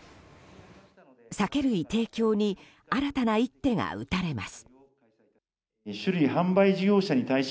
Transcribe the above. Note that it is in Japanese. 酒類提供に新たな一手が打たれます。